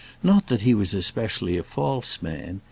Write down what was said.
Not that he was especially a false man.